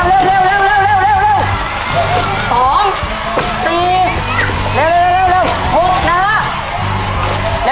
เร็วเร็วเร็วเร็วสองสี่เร็วเร็วเร็วเร็วหกนะฮะ